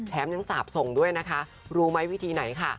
ยังสาบส่งด้วยนะคะรู้ไหมวิธีไหนค่ะ